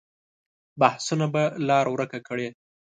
بحثونه به لاره ورکه کړي.